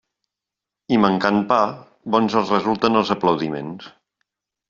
I mancant pa, bons els resulten els aplaudiments.